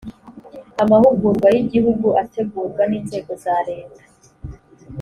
amahugurwa y igihugu ategurwa n inzego za leta